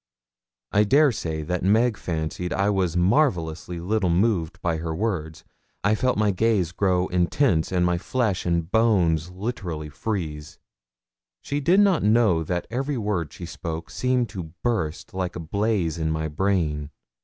I dare say that Meg fancied I was marvellously little moved by her words. I felt my gaze grow intense, and my flesh and bones literally freeze. She did not know that every word she spoke seemed to burst like a blaze in my brain.